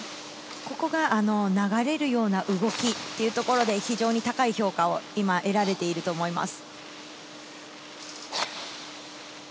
ここが、流れるような動きというところで非常に高い評価を今、得られていると思います。